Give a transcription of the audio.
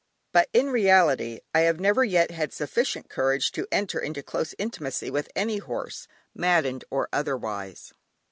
But in reality I have never yet had sufficient courage to enter into close intimacy with any horse, maddened or otherwise.